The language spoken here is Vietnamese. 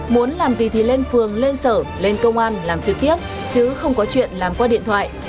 muốn làm gì thì lên phường lên sở lên công an làm trực tiếp chứ không có chuyện làm qua điện thoại